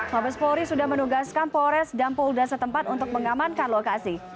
mabes polri sudah menugaskan polres dan polda setempat untuk mengamankan lokasi